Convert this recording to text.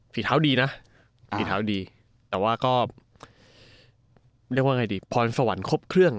ฝีเท้าดีนะฝีเท้าดีแต่ว่าก็เรียกว่าไงดีพรสวรรค์ครบเครื่อง